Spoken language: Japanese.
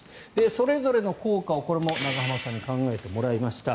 それぞれの効果を、これも永濱さんに考えてもらいました。